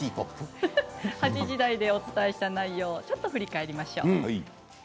８時台でお伝えした内容をちょっと振り返ります。